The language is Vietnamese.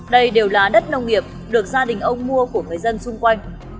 đây đều là đất nông nghiệp được gia đình ông mua của người dân xung quanh